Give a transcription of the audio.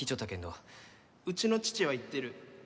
うちの父は言ってる。